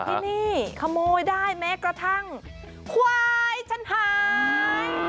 ที่นี่ขโมยได้แม้กระทั่งควายฉันหาย